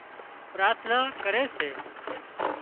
پراٿنا ڪري سي